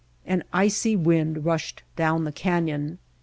An icy wind rushed down the canyon.